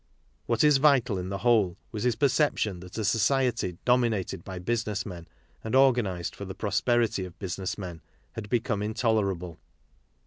What is| vital in the whole was his perception that a society' dominated by business men and organized for the pro sperity of business men had become intolerable.